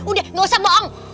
udah gak usah bohong